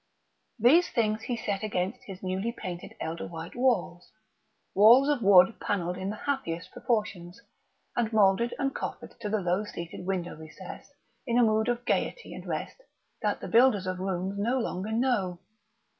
These things he set against his newly painted elder white walls walls of wood panelled in the happiest proportions, and moulded and coffered to the low seated window recesses in a mood of gaiety and rest that the builders of rooms no longer know.